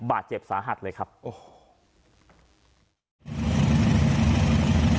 บาดเจ็บสาหัสเลยครับโอ้โห